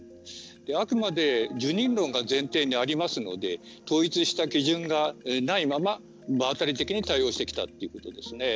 あくまで受忍論が前提にありますので統一した基準がないまま場当たり的に対応してきたということですね。